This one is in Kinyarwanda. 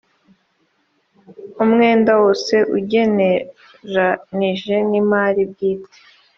umwenda wose ugereranije n imari bwite